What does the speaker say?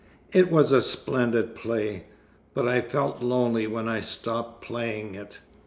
It was a splendid play but I felt lonely when I stopped playing it.